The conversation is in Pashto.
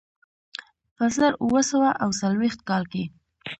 په زر اووه سوه اوه څلوېښت کال کې.